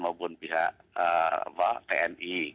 dan pihak tni